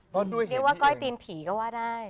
เรียกว่าก้อยตีนผีก็ว่าได้